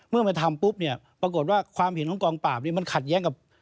เมื่อมาทำปุ๊บเนี่ยปรากฏว่าความเห็นของกองปราบนี้มันขัดแย้งกับ